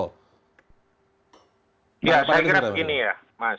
ya saya kira begini ya mas